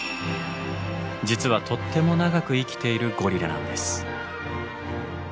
実はとっても長く生きているゴリラなんです。